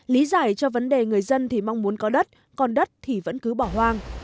lý giải cho vấn đề người dân thì mong muốn có đất còn đất thì vẫn cứ bỏ hoang